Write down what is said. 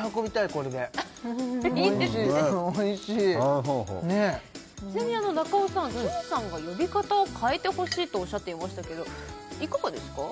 これでおいしいちなみに中尾さんきむさんが呼び方を変えてほしいとおっしゃっていましたけどいかがですか？